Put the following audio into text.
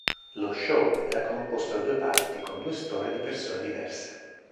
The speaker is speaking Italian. Lo show era composto da due parti, con due storie di persone diverse.